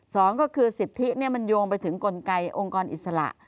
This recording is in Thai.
สองก็คือสิทธิมันโยงไปถึงกลไกองค์กรอิสระ